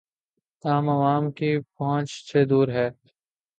عام عوام کی پہنچ سے دور ہے